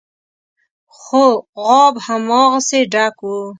خو غاب هماغسې ډک و.